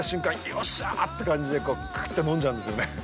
よっしゃーって感じでクーっと飲んじゃうんですよね。